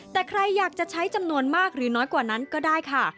แต่ใครอยากจะใช้จำนวนมากหรือน้อยกว่านั้นก็ได้ค่ะ